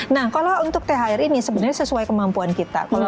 nah kalau untuk thr ini sebenarnya sesuai kemampuan kita